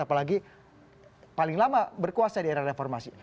apalagi paling lama berkuasa di era reformasi